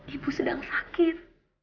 ibu sedang sakit